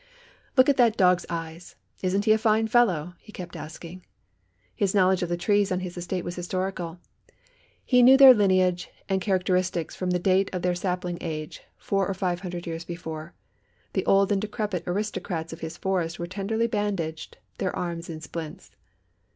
"Look at that dog's eyes, isn't he a fine fellow?" he kept asking. His knowledge of the trees on his estate was historical. He knew their lineage and characteristics from the date of their sapling age, four or five hundred years before. The old and decrepit aristocrats of his forest were tenderly bandaged, their arms in splints.